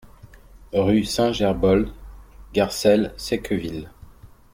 Rue Saint-Gerbold, Garcelles-Secqueville